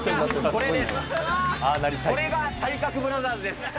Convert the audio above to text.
これが体格ブラザーズです。